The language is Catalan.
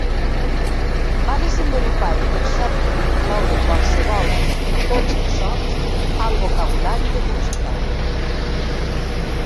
Va desenvolupar el concepte d'incloure qualsevol i tots els sons al vocabulari de música.